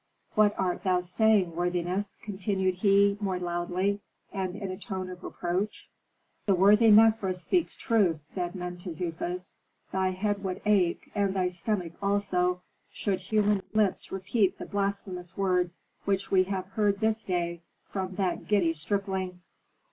What art thou saying, worthiness?" continued he, more loudly, and in a tone of reproach. "The worthy Mefres speaks truth," said Mentezufis. "Thy head would ache, and thy stomach also, should human lips repeat the blasphemous words which we have heard this day from that giddy stripling."